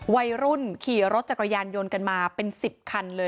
วัยรุ่นขี่รถจักรยานยนต์กันมาเป็น๑๐คันเลย